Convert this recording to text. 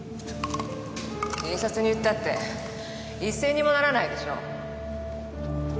警察に言ったって一銭にもならないでしょ。